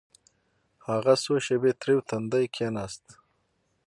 هغه څو شېبې تريو تندى کښېناست.